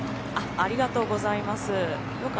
ありがとうございます。